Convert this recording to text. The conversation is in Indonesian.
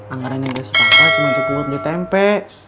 anggaranya biasa papa cuma cukup buat di tempe